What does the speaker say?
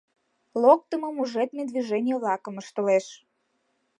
Локтымо-мужедме движений-влакым ыштылеш.